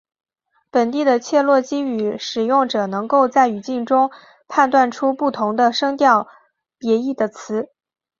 本地的切罗基语使用者能够在语境中判断出不同的声调别义的词。